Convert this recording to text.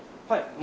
はい。